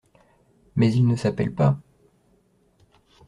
Mais il ne s’appelle pas…